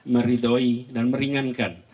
meridoi dan meringankan